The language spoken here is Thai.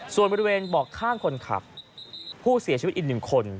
ส่วนบริเวณบอกข้างคนขับผู้เสียชีวิตอีก๑คน